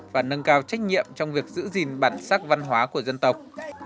và nâng cao trách nhiệm trong việc giữ gìn bản sắc văn hóa của dân tộc